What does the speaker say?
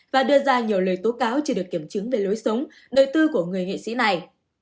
và đưa ra nhiều lời tố cáo chưa được kiểm chứng về lối sống đời tư của người nghệ sĩ này